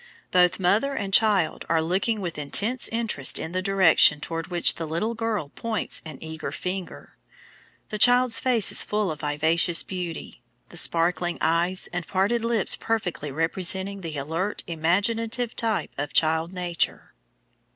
Both mother and child are looking with intense interest in the direction toward which the little girl points an eager finger. The child's face is full of vivacious beauty, the sparkling eyes and parted lips perfectly representing the alert, imaginative type of child nature.